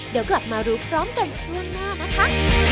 เดี๋ยวกลับมารู้พร้อมกันช่วงหน้านะคะ